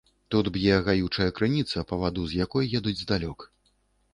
Тут б'е гаючая крыніца, па ваду з якой едуць здалёк.